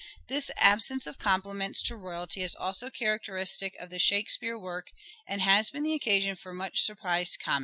This absence of compliments to royalty is also characteristic of the Shakespeare work, and has been the occasion for much surprised comment.